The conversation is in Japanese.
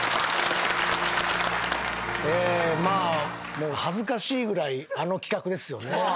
もう恥ずかしいぐらいあの企画ですよね。